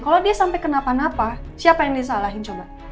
kalau dia sampai kenapa napa siapa yang disalahin coba